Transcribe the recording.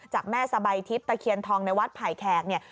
จากแม่สบายทิพย์ตะเคียนทองในวัดไผ่แขกเนี่ย